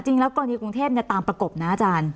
จริงแล้วกรณีกรุงเทพตามประกบนะอาจารย์